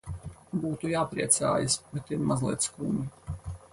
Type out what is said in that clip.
Būtu jāpriecājas, bet ir mazliet skumji.